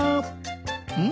うん？